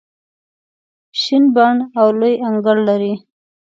شین بڼ او لوی انګړ لري.